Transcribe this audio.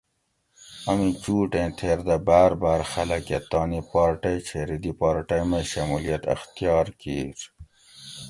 امی چُوٹ ایں تھیر دہ باۤر باۤر خلک اۤ تانی پارٹئ چھیری دی پارٹئ مئ شمولیت اختیار کِیر